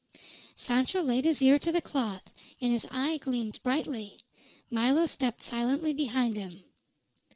Sancho laid his ear to the cloth, and his eye gleamed brightly. Milo stepped silently behind him.